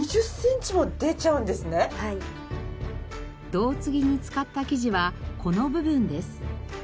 どうつぎに使った生地はこの部分です。